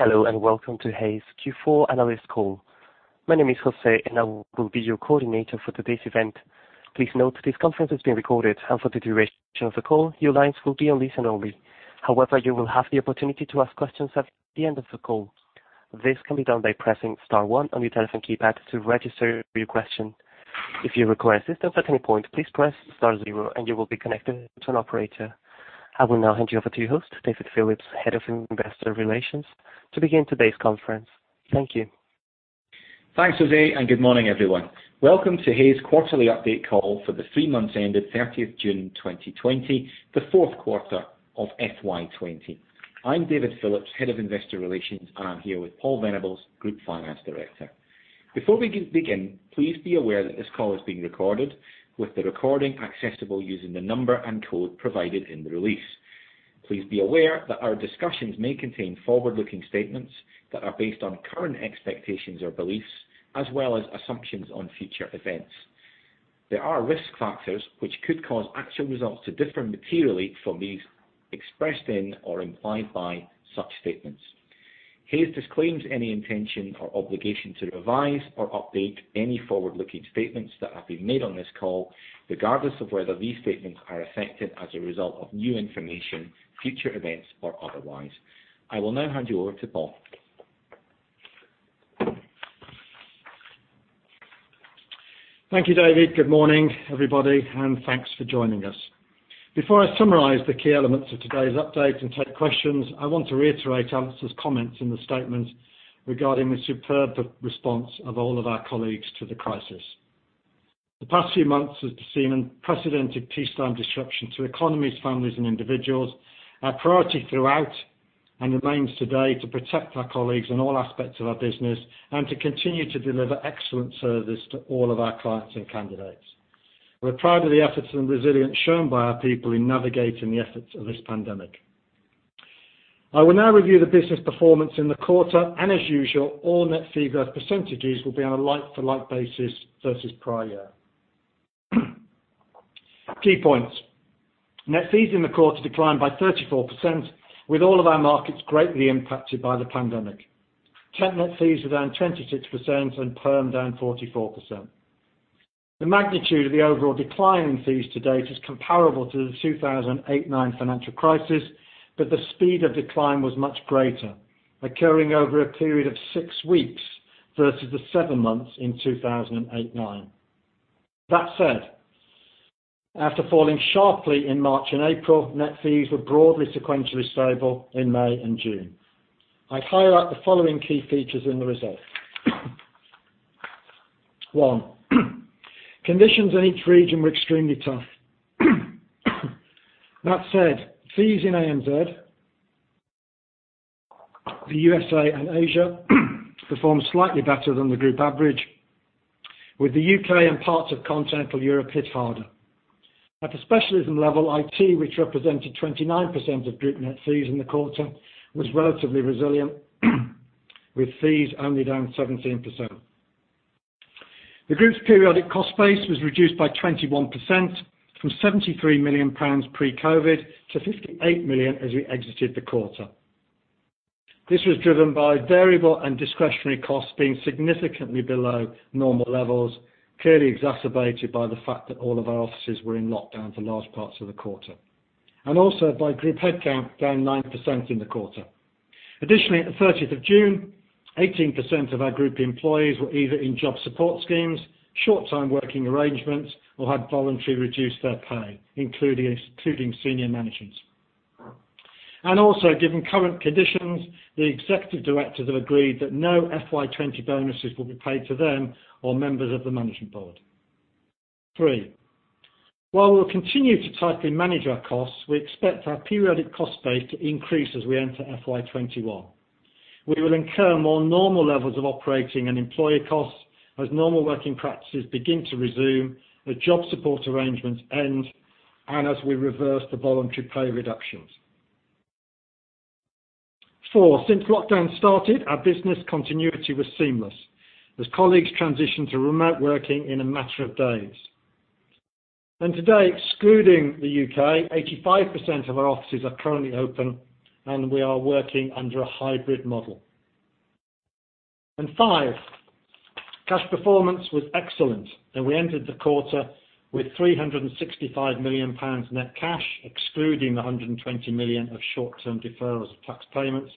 Hello, welcome to Hays Q4 Analyst Call. My name is Jose, and I will be your coordinator for today's event. Please note this conference is being recorded. For the duration of the call, your lines will be on listen only. However, you will have the opportunity to ask questions at the end of the call. This can be done by pressing star one on your telephone keypad to register your question. If you require assistance at any point, please press star zero and you will be connected to an operator. I will now hand you over to your host, David Phillips, Head of Investor Relations, to begin today's conference. Thank you. Thanks, José, good morning, everyone. Welcome to Hays quarterly update call for the three months ending 30th June 2020, the fourth quarter of FY 2020. I'm David Phillips, Head of Investor Relations. I'm here with Paul Venables, Group Finance Director. Before we begin, please be aware that this call is being recorded, with the recording accessible using the number and code provided in the release. Please be aware that our discussions may contain forward-looking statements that are based on current expectations or beliefs as well as assumptions on future events. There are risk factors which could cause actual results to differ materially from these expressed in or implied by such statements. Hays disclaims any intention or obligation to revise or update any forward-looking statements that have been made on this call, regardless of whether these statements are affected as a result of new information, future events, or otherwise. I will now hand you over to Paul. Thank you, David. Good morning, everybody, and thanks for joining us. Before I summarize the key elements of today's update and take questions, I want to reiterate Alistair's comments in the statement regarding the superb response of all of our colleagues to the crisis. The past few months have seen unprecedented peacetime disruption to economies, families, and individuals. Our priority throughout, and remains today, to protect our colleagues in all aspects of our business and to continue to deliver excellent service to all of our clients and candidates. We're proud of the efforts and resilience shown by our people in navigating the efforts of this pandemic. I will now review the business performance in the quarter, and as usual, all net fee growth % will be on a like-to-like basis versus prior. Key points. Net fees in the quarter declined by 34%, with all of our markets greatly impacted by the pandemic. Temp net fees were down 26% and perm down 44%. The magnitude of the overall decline in fees to date is comparable to the 2008-9 financial crisis, the speed of decline was much greater, occurring over a period of 6 weeks versus the 7 months in 2008-9. That said, after falling sharply in March and April, net fees were broadly sequentially stable in May and June. I highlight the following key features in the results. One, conditions in each region were extremely tough. That said, fees in ANZ, the U.S.A., and Asia performed slightly better than the group average, with the U.K. and parts of continental Europe hit harder. At the specialism level, IT, which represented 29% of group net fees in the quarter, was relatively resilient, with fees only down 17%. The group's periodic cost base was reduced by 21% from 73 million pounds pre-COVID to 58 million as we exited the quarter. This was driven by variable and discretionary costs being significantly below normal levels, clearly exacerbated by the fact that all of our offices were in lockdown for large parts of the quarter. Also by group headcount down 9% in the quarter. Additionally, at the 30th of June, 18% of our group employees were either in job support schemes, short-time working arrangements, or had voluntarily reduced their pay, including senior management. Also, given current conditions, the executive directors have agreed that no FY '20 bonuses will be paid to them or members of the management board. Three, while we will continue to tightly manage our costs, we expect our periodic cost base to increase as we enter FY 2021. We will incur more normal levels of operating and employee costs as normal working practices begin to resume, the job support arrangements end, and as we reverse the voluntary pay reductions. Four, since lockdown started, our business continuity was seamless as colleagues transitioned to remote working in a matter of days. Today, excluding the U.K., 85% of our offices are currently open, and we are working under a hybrid model. Five, cash performance was excellent, and we entered the quarter with 365 million pounds net cash, excluding the 120 million of short-term deferrals of tax payments.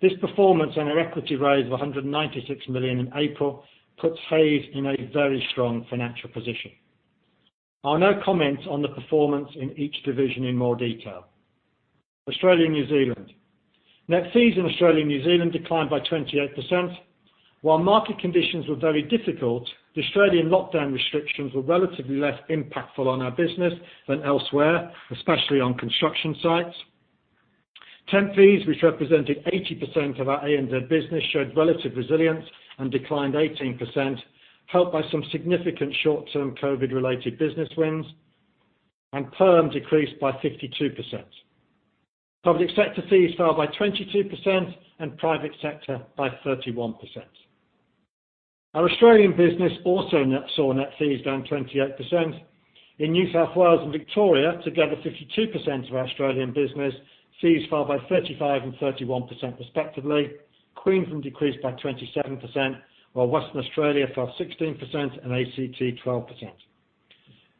This performance and our equity raise of 196 million in April puts Hays in a very strong financial position. I'll now comment on the performance in each division in more detail. Australia and New Zealand. Net fees in Australia and New Zealand declined by 28%. While market conditions were very difficult, the Australian lockdown restrictions were relatively less impactful on our business than elsewhere, especially on construction sites. Temp fees, which represented 80% of our ANZ business, showed relative resilience and declined 18%, helped by some significant short-term COVID-related business wins, and perm decreased by 52%. Public sector fees fell by 22% and private sector by 31%. Our Australian business also saw net fees down 28%. In New South Wales and Victoria, together, 52% of our Australian business fees fell by 35% and 31% respectively. Queensland decreased by 27%, while Western Australia fell 16% and ACT 12%.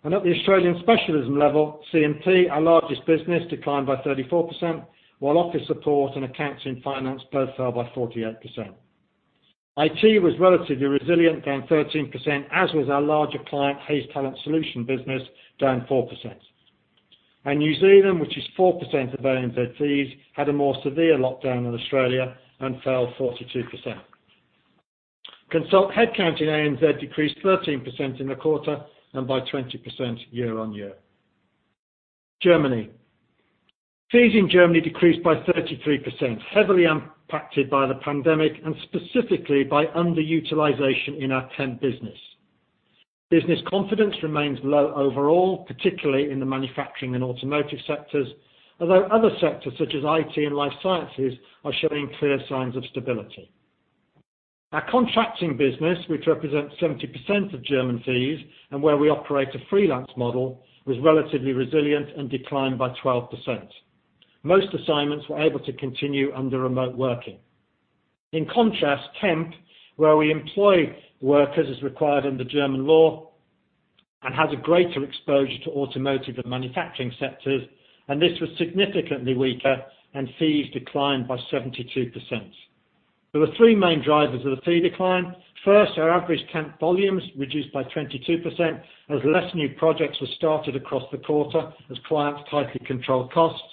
At the Australian specialism level, CMP, our largest business, declined by 34%, while Office Support and Accountancy & Finance both fell by 48%. IT was relatively resilient, down 13%, as was our larger client, Hays Talent Solutions business, down 4%. New Zealand, which is 4% of ANZ fees, had a more severe lockdown than Australia and fell 42%. Consult headcount in ANZ decreased 13% in the quarter and by 20% year-on-year. Germany. Fees in Germany decreased by 33%, heavily impacted by the pandemic and specifically by underutilization in our temp business. Business confidence remains low overall, particularly in the manufacturing and automotive sectors, although other sectors such as IT and Life Sciences are showing clear signs of stability. Our contracting business, which represents 70% of German fees and where we operate a freelance model, was relatively resilient and declined by 12%. Most assignments were able to continue under remote working. In contrast, Temp, where we employ workers as required under German law and has a greater exposure to automotive and manufacturing sectors, this was significantly weaker and fees declined by 72%. There were three main drivers of the fee decline. First, our average Temp volumes reduced by 22% as less new projects were started across the quarter as clients tightly controlled costs.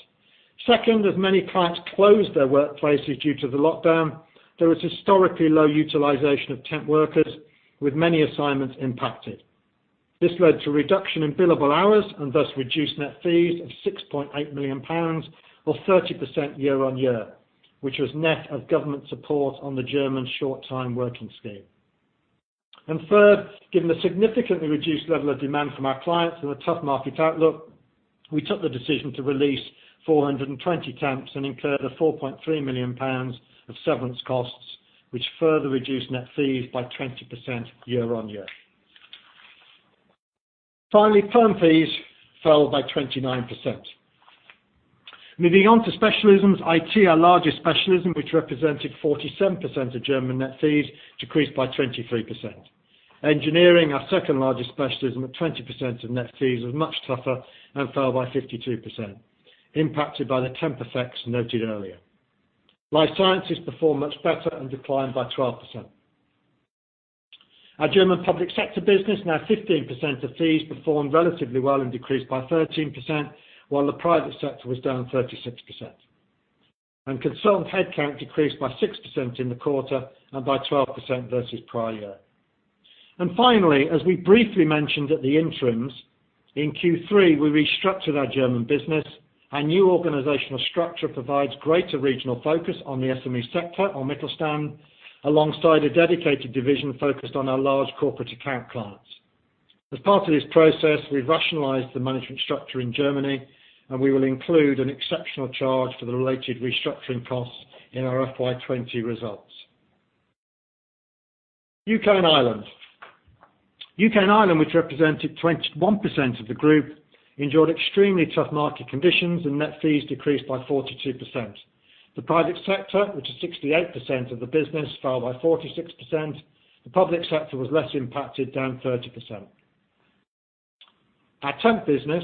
Second, as many clients closed their workplaces due to the lockdown, there was historically low utilization of Temp workers, with many assignments impacted. This led to reduction in billable hours and thus reduced net fees of 6.8 million pounds, or 30% year-on-year, which was net of government support on the German Short-Time Working Scheme. Third, given the significantly reduced level of demand from our clients and the tough market outlook, we took the decision to release 420 temps and incur the 4.3 million pounds of severance costs, which further reduced net fees by 20% year-on-year. Finally, perm fees fell by 29%. Moving on to specialisms. IT, our largest specialism, which represented 47% of German net fees, decreased by 23%. Engineering, our second largest specialism at 20% of net fees, was much tougher and fell by 52%, impacted by the temp effects noted earlier. Life Sciences performed much better and declined by 12%. Our German public sector business, now 15% of fees, performed relatively well and decreased by 13%, while the private sector was down 36%. Consultant headcount decreased by 6% in the quarter and by 12% versus prior year. Finally, as we briefly mentioned at the interims, in Q3, we restructured our German business. Our new organizational structure provides greater regional focus on the SME sector or Mittelstand, alongside a dedicated division focused on our large corporate account clients. As part of this process, we rationalized the management structure in Germany, and we will include an exceptional charge for the related restructuring costs in our FY '20 results. U.K. and Ireland. U.K. and Ireland, which represented 21% of the group, endured extremely tough market conditions and net fees decreased by 42%. The private sector, which is 68% of the business, fell by 46%. The public sector was less impacted, down 30%. Our temp business,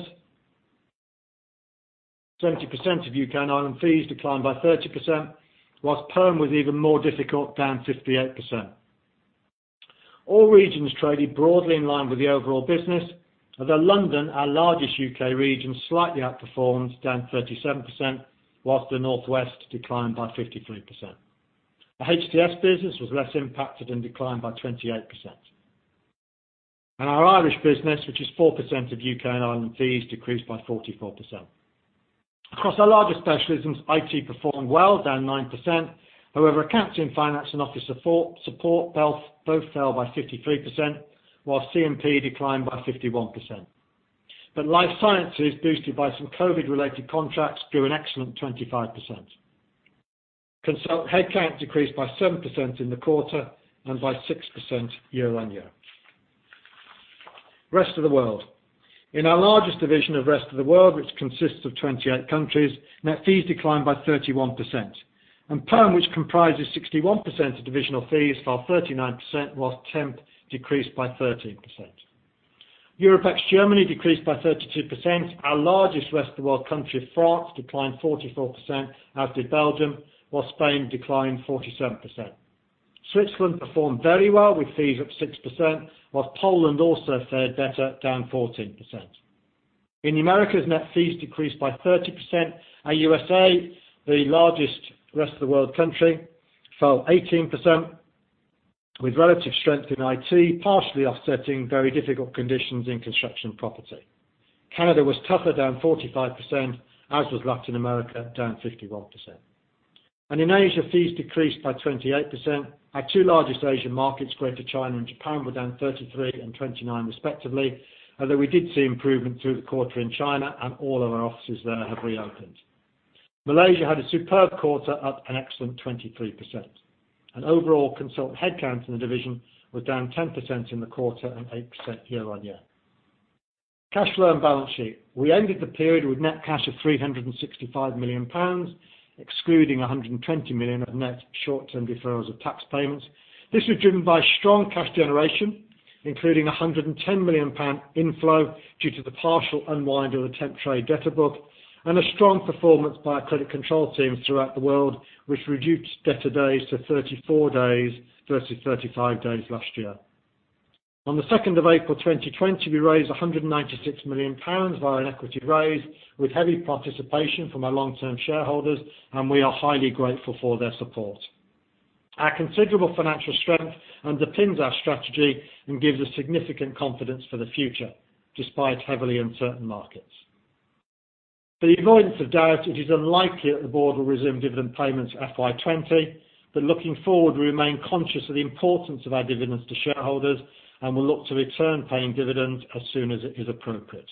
70% of U.K. and Ireland fees declined by 30%, whilst perm was even more difficult, down 58%. All regions traded broadly in line with the overall business, although London, our largest U.K. region, slightly outperformed, down 37%, whilst the Northwest declined by 53%. Our HTS business was less impacted and declined by 28%. Our Irish business, which is 4% of U.K. and Ireland fees, decreased by 44%. Across our larger specialisms, IT performed well, down 9%. However, Accountancy & Finance and Office Support both fell by 53%, while CMP declined by 51%. Life Sciences, boosted by some COVID-related contracts, grew an excellent 25%. Consult headcount decreased by 7% in the quarter and by 6% year-on-year. Rest of the world. In our largest division of rest of the world, which consists of 28 countries, net fees declined by 31%. Perm, which comprises 61% of divisional fees, fell 39%, whilst temp decreased by 13%. Europe ex Germany decreased by 32%. Our largest rest of the world country, France, declined 44%, as did Belgium, while Spain declined 47%. Switzerland performed very well with fees up 6%, while Poland also fared better, down 14%. In the Americas, net fees decreased by 30%. Our U.S.A., the largest rest of the world country, fell 18%, with relative strength in IT partially offsetting very difficult conditions in Construction & Property. Canada was tougher, down 45%, as was Latin America, down 51%. In Asia, fees decreased by 28%. Our two largest Asian markets, Greater China and Japan, were down 33% and 29%, respectively, although we did see improvement through the quarter in China and all of our offices there have reopened. Malaysia had a superb quarter, up an excellent 23%. Overall consultant headcount in the division was down 10% in the quarter and 8% year-on-year. Cash flow and balance sheet. We ended the period with net cash of 365 million pounds, excluding 120 million of net short-term deferrals of tax payments. This was driven by strong cash generation, including 110 million pound inflow due to the partial unwind of the temp trade debtor book and a strong performance by our credit control teams throughout the world, which reduced debtor days to 34 days versus 35 days last year. On the 2nd of April 2020, we raised 196 million pounds via an equity raise with heavy participation from our long-term shareholders, and we are highly grateful for their support. Our considerable financial strength underpins our strategy and gives us significant confidence for the future, despite heavily uncertain markets. For the avoidance of doubt, it is unlikely that the board will resume dividend payments FY 2020. Looking forward, we remain conscious of the importance of our dividends to shareholders and will look to return paying dividends as soon as it is appropriate.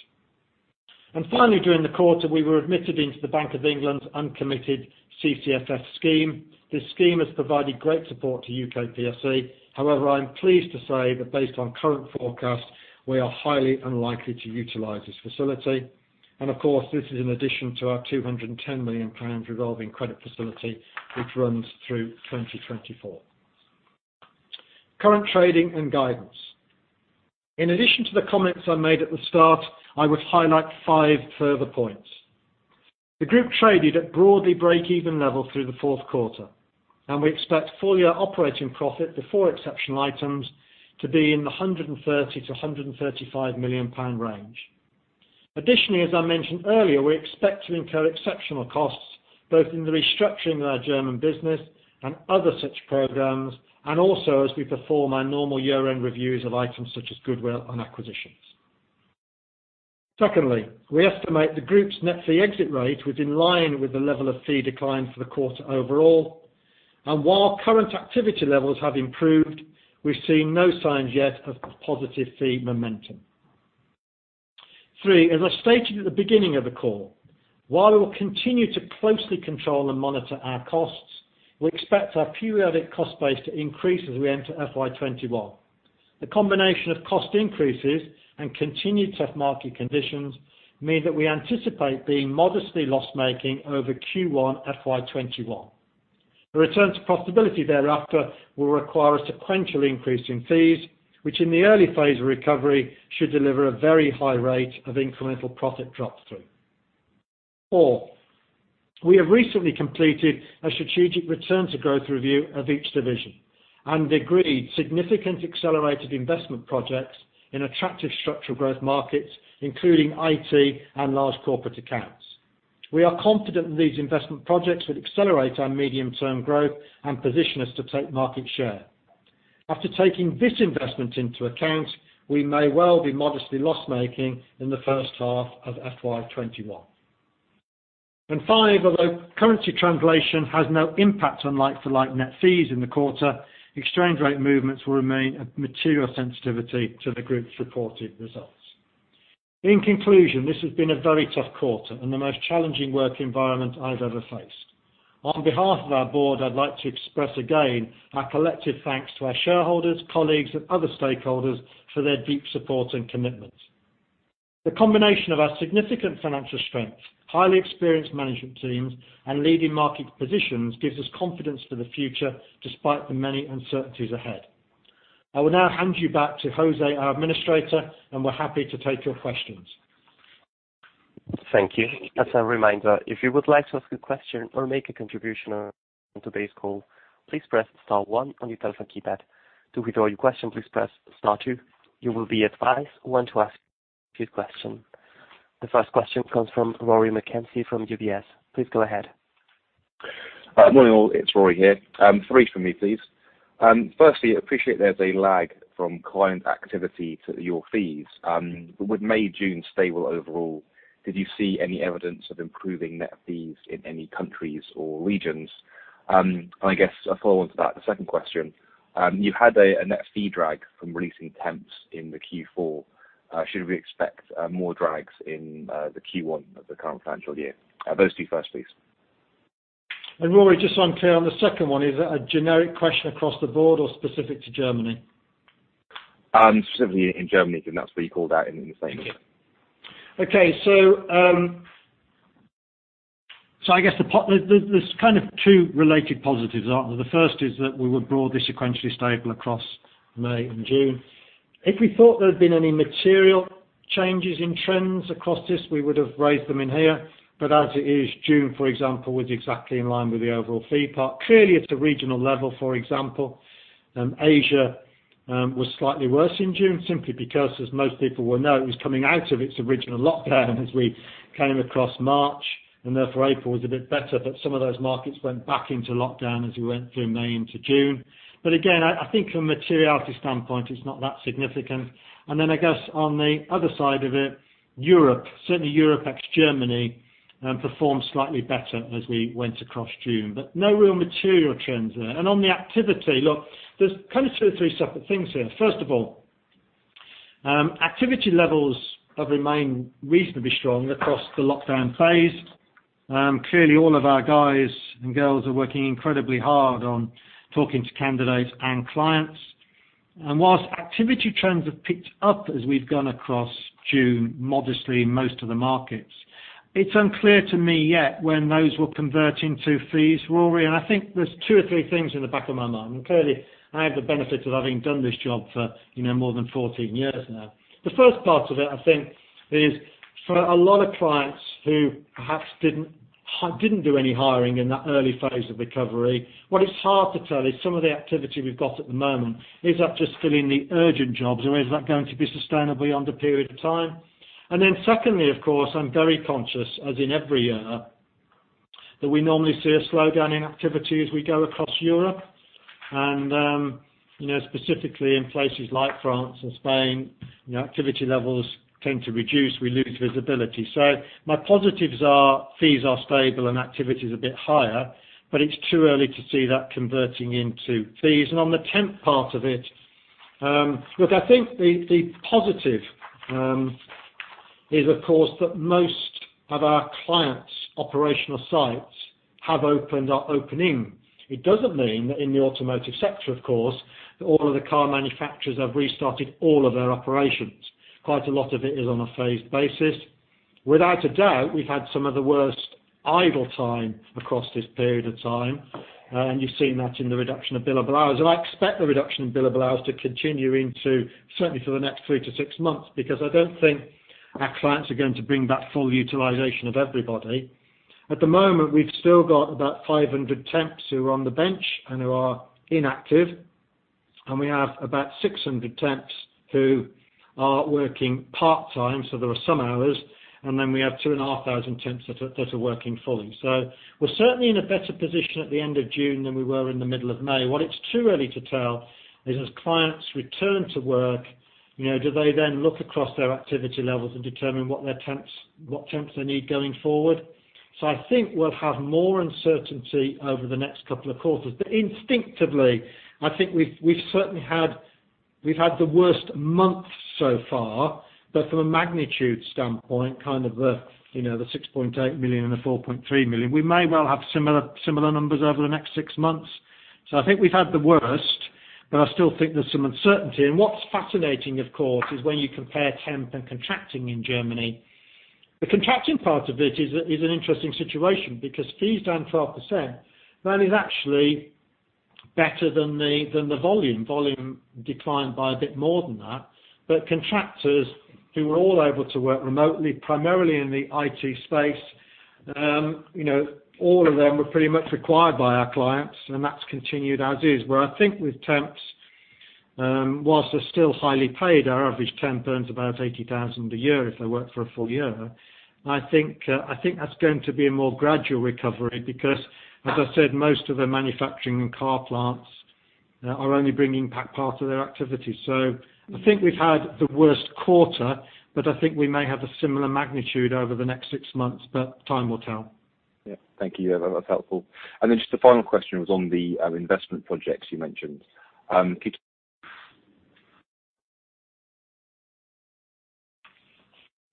Finally, during the quarter, we were admitted into the Bank of England's uncommitted CCFF scheme. This scheme has provided great support to UK PSC. I am pleased to say that based on current forecasts, we are highly unlikely to utilize this facility. Of course, this is in addition to our GBP 210 million revolving credit facility which runs through 2024. Current trading and guidance. In addition to the comments I made at the start, I would highlight five further points. The group traded at broadly breakeven level through the fourth quarter, and we expect full-year operating profit before exceptional items to be in the 130 million-135 million pound range. Additionally, as I mentioned earlier, we expect to incur exceptional costs both in the restructuring of our German business and other such programs, and also as we perform our normal year-end reviews of items such as goodwill and acquisitions. Secondly, we estimate the group's net fee exit rate was in line with the level of fee decline for the quarter overall. While current activity levels have improved, we have seen no signs yet of positive fee momentum. Three, as I stated at the beginning of the call, while we will continue to closely control and monitor our costs, we expect our periodic cost base to increase as we enter FY '21. The combination of cost increases and continued tough market conditions mean that we anticipate being modestly loss-making over Q1 FY '21. A return to profitability thereafter will require a sequential increase in fees, which in the early phase of recovery should deliver a very high rate of incremental profit drop-through. four, we have recently completed a strategic return to growth review of each division and agreed significant accelerated investment projects in attractive structural growth markets, including IT and large corporate accounts. We are confident that these investment projects will accelerate our medium-term growth and position us to take market share. After taking this investment into account, we may well be modestly loss-making in the first half of FY 2021. five, although currency translation has no impact on like-to-like net fees in the quarter, exchange rate movements will remain a material sensitivity to the group's reported results. In conclusion, this has been a very tough quarter and the most challenging work environment I've ever faced. On behalf of our board, I'd like to express again our collective thanks to our shareholders, colleagues, and other stakeholders for their deep support and commitment. The combination of our significant financial strength, highly experienced management teams, and leading market positions gives us confidence for the future despite the many uncertainties ahead. I will now hand you back to Jose, our administrator, and we're happy to take your questions. Thank you. As a reminder, if you would like to ask a question or make a contribution on today's call, please press star one on your telephone keypad. To withdraw your question, please press star two. You will be advised when to ask your question. The first question comes from Rory McKenzie from UBS. Please go ahead. Morning, all. It's Rory here. Three from me, please. Firstly, I appreciate there's a lag from client activity to your fees. With May, June stable overall, did you see any evidence of improving net fees in any countries or regions? I guess a follow-on to that, the second question. You had a net fee drag from releasing temps in the Q4. Should we expect more drags in the Q1 of the current financial year? Those two first, please. Rory, just so I'm clear on the second one, is that a generic question across the board or specific to Germany? Specifically in Germany, because that's where you called out in the same year. Okay. I guess there's kind of two related positives, aren't there? The first is that we were broadly sequentially stable across May and June. If we thought there had been any material changes in trends across this, we would have raised them in here. As it is, June, for example, was exactly in line with the overall fee part. Clearly, at the regional level, for example, Asia was slightly worse in June simply because, as most people will know, it was coming out of its original lockdown as we came across March, and therefore April was a bit better. Some of those markets went back into lockdown as we went through May into June. Again, I think from a materiality standpoint, it's not that significant. I guess on the other side of it, Europe, certainly Europe ex-Germany, performed slightly better as we went across June. No real material trends there. On the activity, look, there's kind of two or three separate things here. Activity levels have remained reasonably strong across the lockdown phase. Clearly, all of our guys and girls are working incredibly hard on talking to candidates and clients. Whilst activity trends have picked up as we've gone across June modestly in most of the markets, it's unclear to me yet when those will convert into fees, Rory. I think there's two or three things in the back of my mind. Clearly, I have the benefit of having done this job for more than 14 years now. The first part of it, I think, is for a lot of clients who perhaps didn't do any hiring in that early phase of recovery, what is hard to tell is some of the activity we've got at the moment, is that just filling the urgent jobs or is that going to be sustainable beyond a period of time? Secondly, of course, I'm very conscious, as in every year, that we normally see a slowdown in activity as we go across Europe, and specifically in places like France and Spain, activity levels tend to reduce, we lose visibility. My positives are fees are stable and activity is a bit higher, but it's too early to see that converting into fees. On the temp part of it, look, I think the positive is, of course, that most of our clients' operational sites have opened or are opening. It doesn't mean that in the automotive sector, of course, that all of the car manufacturers have restarted all of their operations. Quite a lot of it is on a phased basis. Without a doubt, we've had some of the worst idle time across this period of time, and you've seen that in the reduction of billable hours. I expect the reduction in billable hours to continue certainly for the next three to six months, because I don't think our clients are going to bring back full utilization of everybody. At the moment, we've still got about 500 temps who are on the bench and who are inactive, and we have about 600 temps who are working part-time, so there are some hours, and then we have 2,500 temps that are working fully. We're certainly in a better position at the end of June than we were in the middle of May. What it's too early to tell is as clients return to work, do they then look across their activity levels and determine what temps they need going forward? I think we'll have more uncertainty over the next couple of quarters. Instinctively, I think we've had the worst month so far, but from a magnitude standpoint, kind of the 6.8 million and the 4.3 million, we may well have similar numbers over the next six months. I think we've had the worst, but I still think there's some uncertainty. What's fascinating, of course, is when you compare temp and contracting in Germany. The contracting part of it is an interesting situation because fees down 12%, that is actually better than the volume. Volume declined by a bit more than that. Contractors who were all able to work remotely, primarily in the IT space, all of them were pretty much required by our clients, and that's continued as is. Where I think with temps, whilst they're still highly paid, our average temp earns about 80,000 a year if they work for a full year, I think that's going to be a more gradual recovery because, as I said, most of the manufacturing and car plants are only bringing back part of their activity. I think we've had the worst quarter, but I think we may have a similar magnitude over the next six months, but time will tell. Yeah. Thank you. That's helpful. Just the final question was on the investment projects you mentioned.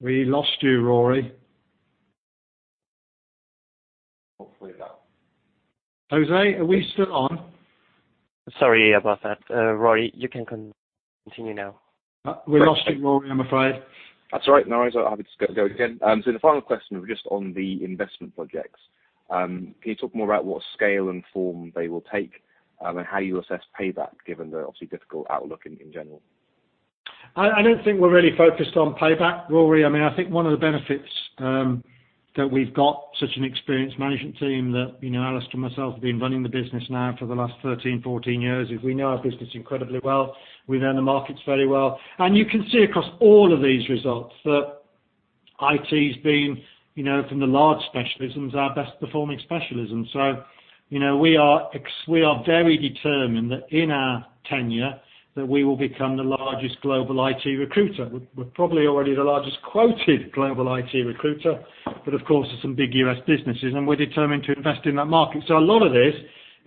We lost you, Rory. Hopefully about- Jose, are we still on? Sorry about that, Rory. You can continue now. We lost you, Rory, I'm afraid. That's all right. No worries. I'll just go again. The final question was just on the investment projects. Can you talk more about what scale and form they will take and how you assess payback, given the obviously difficult outlook in general? I don't think we're really focused on payback, Rory. I think one of the benefits that we've got such an experienced management team that Alistair and myself have been running the business now for the last 13, 14 years, is we know our business incredibly well. We know the markets very well. You can see across all of these results that IT has been, from the large specialisms, our best performing specialism. We are very determined that in our tenure, that we will become the largest global IT recruiter. We're probably already the largest quoted global IT recruiter, but of course, there's some big U.S. businesses, and we're determined to invest in that market. A lot of this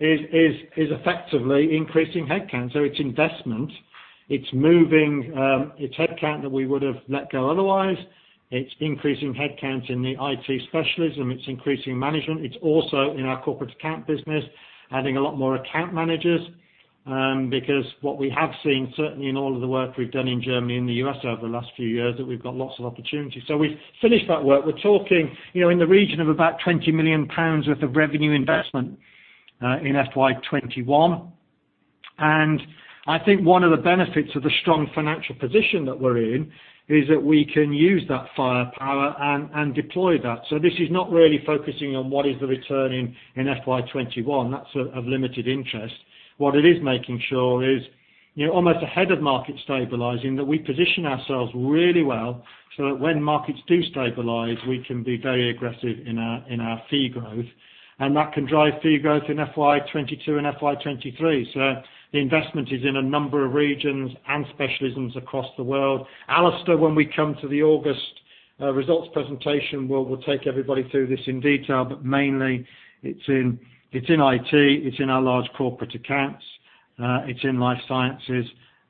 is effectively increasing headcount. It's investment, it's headcount that we would have let go otherwise. It's increasing headcounts in the IT specialism. It's increasing management. It's also in our corporate account business, adding a lot more account managers, because what we have seen, certainly in all of the work we've done in Germany and the U.S. over the last few years, that we've got lots of opportunities. We finish that work. We're talking in the region of about 20 million pounds worth of revenue investment in FY 2021. I think one of the benefits of the strong financial position that we're in is that we can use that firepower and deploy that. This is not really focusing on what is the return in FY 2021. That's of limited interest. What it is making sure is almost ahead of market stabilizing, that we position ourselves really well so that when markets do stabilize, we can be very aggressive in our fee growth, and that can drive fee growth in FY 2022 and FY 2023. The investment is in a number of regions and specialisms across the world. Alistair, when we come to the August, our results presentation will take everybody through this in detail, but mainly it's in IT, it's in our large corporate accounts, it's in Life Sciences,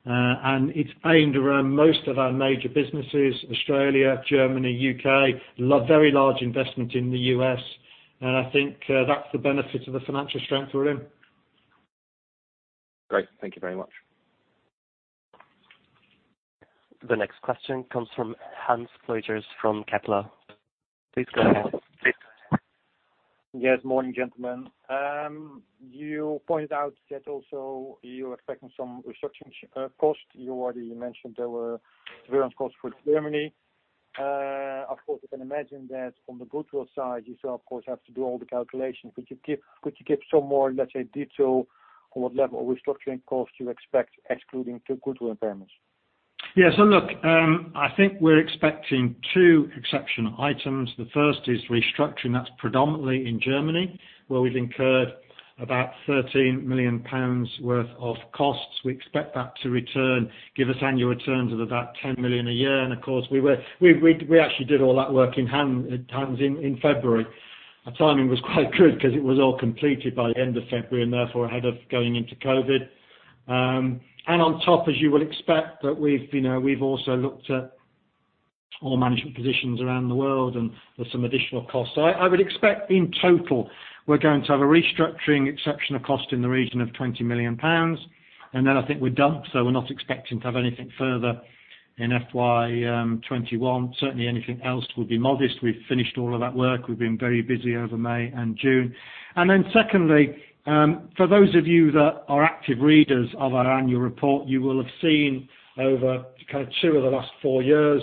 and it's aimed around most of our major businesses, Australia, Germany, U.K., very large investment in the U.S. I think that's the benefit of the financial strength we're in. Great. Thank you very much. The next question comes from Hans Kluijters from Kepler. Please go ahead. Yes. Morning, gentlemen. You pointed out that also you're expecting some restructuring cost. You already mentioned there were severance costs for Germany. Of course, I can imagine that from the goodwill side, you still, of course, have to do all the calculations. Could you give some more, let's say, detail on what level of restructuring cost you expect, excluding the goodwill impairments? Yeah. Look, I think we're expecting two exceptional items. The first is restructuring. That's predominantly in Germany, where we've incurred about 13 million pounds worth of costs. We expect that to return, give us annual returns of about 10 million a year. Of course, we actually did all that work in February. Our timing was quite good because it was all completed by the end of February and therefore ahead of going into COVID. On top, as you will expect, that we've also looked at all management positions around the world, and there are some additional costs. I would expect in total, we're going to have a restructuring exceptional cost in the region of 20 million pounds. Then I think we're done. We're not expecting to have anything further in FY 2021. Certainly anything else will be modest. We've finished all of that work. We've been very busy over May and June. Secondly, for those of you that are active readers of our annual report, you will have seen over two of the last four years,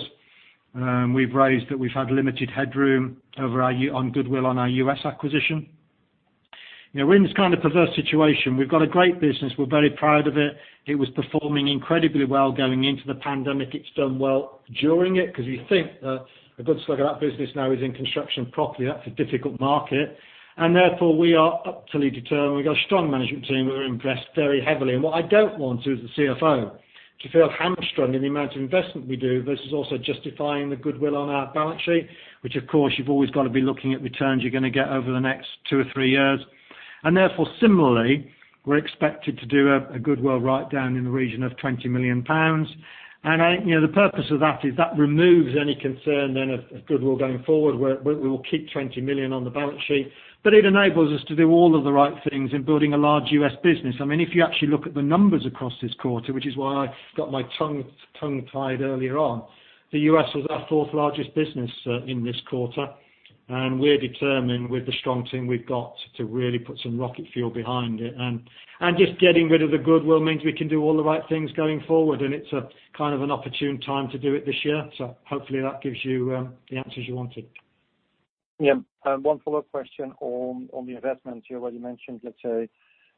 we've raised that we've had limited headroom on goodwill on our U.S. acquisition. We are in this kind of perverse situation. We've got a great business. We're very proud of it. It was performing incredibly well going into the pandemic. It's done well during it because we think that a good slug of that business now is in Construction & Property. That's a difficult market. Therefore, we are utterly determined. We got a strong management team. We are impressed very heavily. What I don't want is the CFO to feel hamstrung in the amount of investment we do versus also justifying the goodwill on our balance sheet, which of course, you've always got to be looking at returns you're going to get over the next two or three years. Therefore, similarly, we're expected to do a goodwill write-down in the region of 20 million pounds. The purpose of that is that removes any concern then of goodwill going forward, where we will keep 20 million on the balance sheet. It enables us to do all of the right things in building a large U.S. business. If you actually look at the numbers across this quarter, which is why I got my tongue tied earlier on, the U.S. was our fourth largest business in this quarter. We're determined with the strong team we've got to really put some rocket fuel behind it. Just getting rid of the goodwill means we can do all the right things going forward, and it's a kind of an opportune time to do it this year. Hopefully that gives you the answers you wanted. Yeah. One follow-up question on the investment. You already mentioned, let's say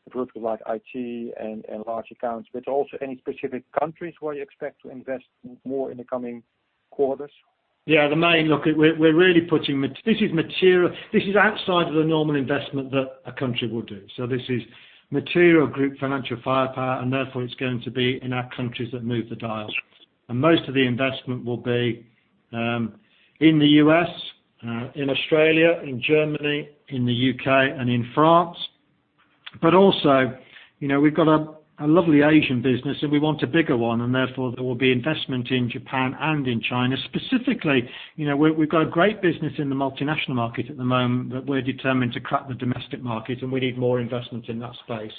a group like IT and large accounts, but also any specific countries where you expect to invest more in the coming quarters? This is outside of the normal investment that a country will do. This is material group financial firepower, and therefore it's going to be in our countries that move the dial. Most of the investment will be in the U.S., in Australia, in Germany, in the U.K., and in France. Also, we've got a lovely Asian business and we want a bigger one, and therefore there will be investment in Japan and in China. Specifically, we've got a great business in the multinational market at the moment, but we're determined to crack the domestic market, and we need more investment in that space.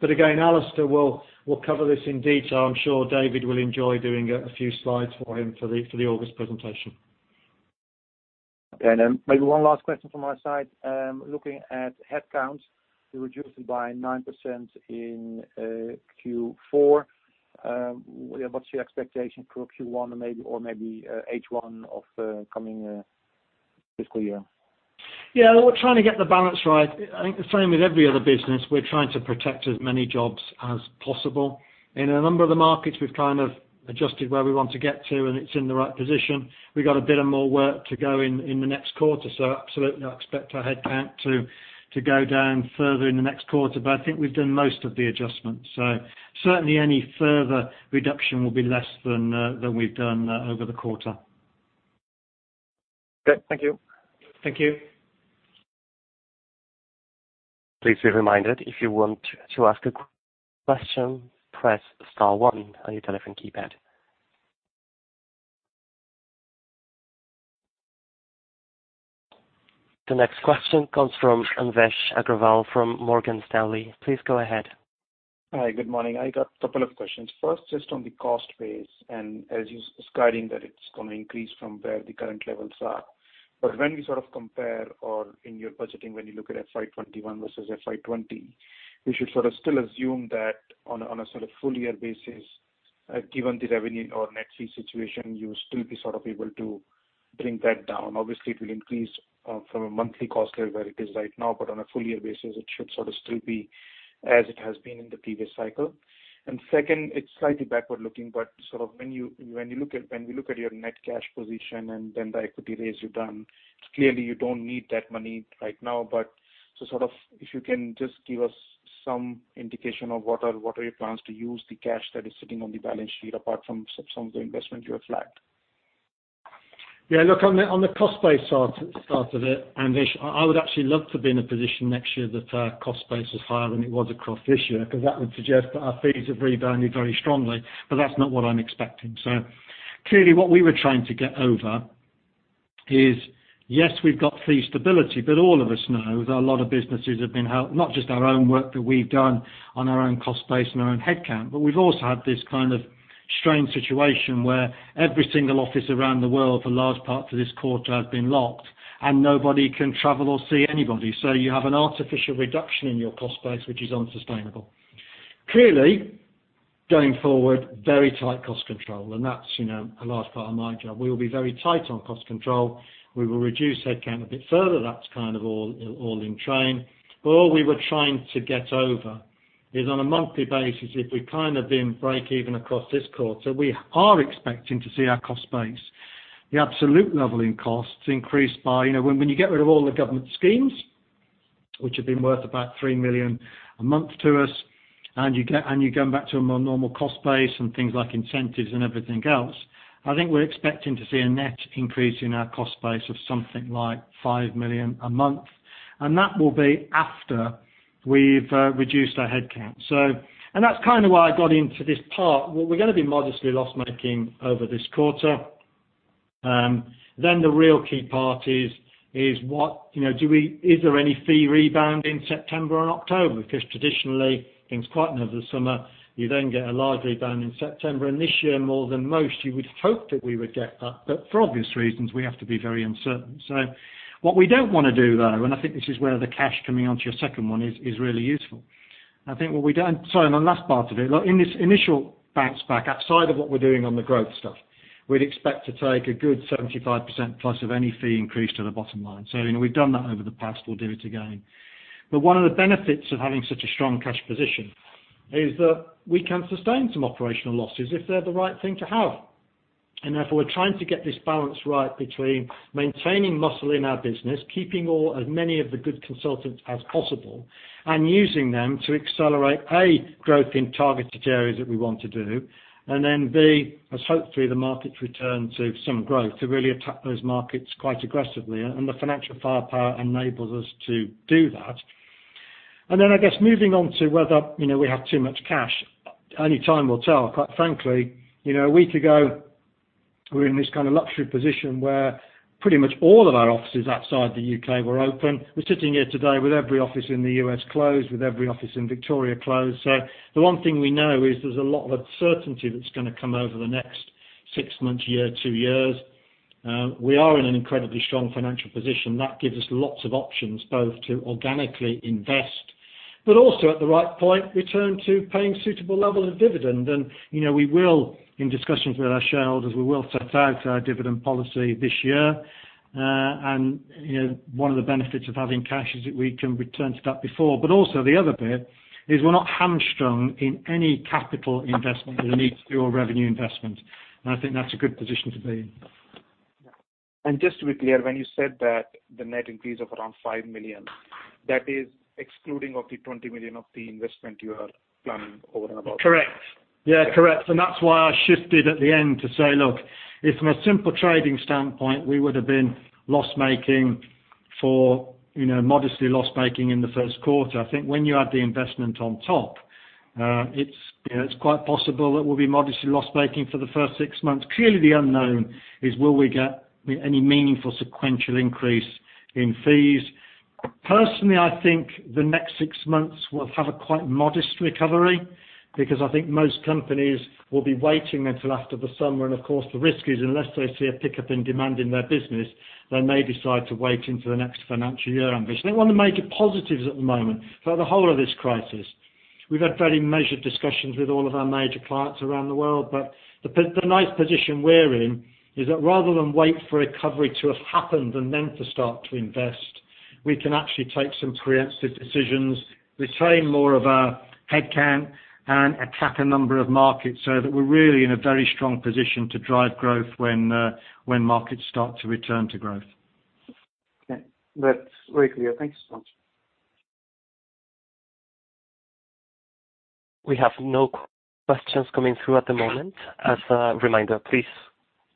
Again, Alistair will cover this in detail. I'm sure David will enjoy doing a few slides for him for the August presentation. Okay. Maybe one last question from my side. Looking at headcounts, we reduced it by 9% in Q4. What's your expectation for Q1 or maybe H1 of coming fiscal year? Yeah. We're trying to get the balance right. I think the same with every other business. We're trying to protect as many jobs as possible. In a number of the markets, we've kind of adjusted where we want to get to, and it's in the right position. We got a bit of more work to go in the next quarter, absolutely I expect our headcount to go down further in the next quarter. I think we've done most of the adjustments. Certainly any further reduction will be less than we've done over the quarter. Okay. Thank you. Thank you. Please be reminded, if you want to ask a question, press star one on your telephone keypad. The next question comes from Anvesh Agrawal from Morgan Stanley. Please go ahead. Hi. Good morning. I got a couple of questions. First, just on the cost base, and as you were describing that it's going to increase from where the current levels are. When we sort of compare or in your budgeting, when you look at FY 2021 versus FY 2020, we should sort of still assume that on a sort of full year basis, given the revenue or net fee situation, you will still be sort of able to bring that down. Obviously, it will increase from a monthly cost where it is right now, but on a full year basis, it should sort of still be as it has been in the previous cycle. Second, it's slightly backward-looking, but sort of when we look at your net cash position and then the equity raise you've done, clearly you don't need that money right now. If you can just give us some indication of what are your plans to use the cash that is sitting on the balance sheet apart from some of the investments you have flagged. Look, on the cost base side of it, Anvesh, I would actually love to be in a position next year that our cost base is higher than it was across this year, because that would suggest that our fees have rebounded very strongly. That's not what I'm expecting. Clearly, what we were trying to get over is, yes, we've got fee stability, but all of us know that a lot of businesses have been helped, not just our own work that we've done on our own cost base and our own headcount, but we've also had this kind of strange situation where every single office around the world for large parts of this quarter have been locked and nobody can travel or see anybody. You have an artificial reduction in your cost base, which is unsustainable. Clearly, going forward, very tight cost control, and that's a large part of my job. We will be very tight on cost control. We will reduce headcount a bit further. That's kind of all in train. All we were trying to get over is on a monthly basis, if we kind of being break even across this quarter, we are expecting to see our cost base, the absolute level in costs. When you get rid of all the government schemes, which have been worth about 3 million a month to us, and you're going back to a more normal cost base and things like incentives and everything else, I think we're expecting to see a net increase in our cost base of something like 5 million a month. That will be after we've reduced our headcount. That's kind of why I got into this part. We're going to be modestly loss-making over this quarter. The real key part is there any fee rebound in September and October? Traditionally, things quieten over the summer. You then get a large rebound in September, this year more than most, you would hope that we would get that. For obvious reasons, we have to be very uncertain. What we don't want to do, though, I think this is where the cash coming onto your second one is really useful. Sorry, on the last part of it. In this initial bounce back outside of what we're doing on the growth stuff, we'd expect to take a good 75% plus of any fee increase to the bottom line. We've done that over the past, we'll do it again. One of the benefits of having such a strong cash position is that we can sustain some operational losses if they're the right thing to have. Therefore, we're trying to get this balance right between maintaining muscle in our business, keeping as many of the good consultants as possible, and using them to accelerate, A, growth in targeted areas that we want to do, and then, B, as hopefully the markets return to some growth, to really attack those markets quite aggressively, and the financial firepower enables us to do that. I guess moving on to whether we have too much cash. Only time will tell. Quite frankly, a week ago, we were in this kind of luxury position where pretty much all of our offices outside the U.K. were open. We're sitting here today with every office in the U.S. closed, with every office in Victoria closed. The one thing we know is there's a lot of uncertainty that's going to come over the next six months, year, two years. We are in an incredibly strong financial position. That gives us lots of options, both to organically invest, but also at the right point, return to paying suitable level of dividend. We will, in discussions with our shareholders, we will set out our dividend policy this year. One of the benefits of having cash is that we can return to that before. Also the other bit is we're not hamstrung in any capital investment that we need to do or revenue investment. I think that's a good position to be in. Just to be clear, when you said that the net increase of around 5 million, that is excluding of the 20 million of the investment you are planning over and above. Correct. Yeah, correct. That's why I shifted at the end to say, look, from a simple trading standpoint, we would have been modestly loss-making in the first quarter. I think when you add the investment on top, it's quite possible that we'll be modestly loss-making for the first six months. Clearly, the unknown is will we get any meaningful sequential increase in fees. Personally, I think the next six months will have a quite modest recovery because I think most companies will be waiting until after the summer, and of course, the risk is unless they see a pickup in demand in their business, they may decide to wait into the next financial year. Anvesh, I want to make it positives at the moment for the whole of this crisis. We've had very measured discussions with all of our major clients around the world. The nice position we're in is that rather than wait for recovery to have happened and then to start to invest, we can actually take some pre-emptive decisions, retain more of our headcount, and attack a number of markets so that we're really in a very strong position to drive growth when markets start to return to growth. Okay. That's very clear. Thank you so much. We have no questions coming through at the moment. As a reminder, please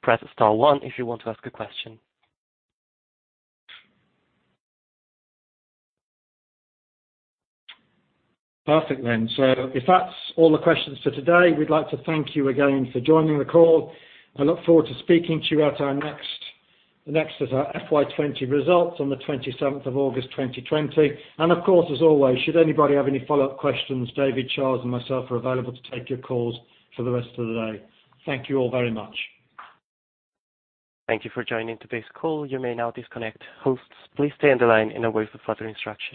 press star one if you want to ask a question. Perfect. If that's all the questions for today, we'd like to thank you again for joining the call. I look forward to speaking to you at our next as our FY 2020 results on the 27th of August 2020. Of course, as always, should anybody have any follow-up questions, David, Charles, and myself are available to take your calls for the rest of the day. Thank you all very much. Thank you for joining today's call. You may now disconnect. Hosts, please stay on the line and await for further instruction.